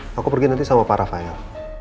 aku pergi nanti sama pak rafael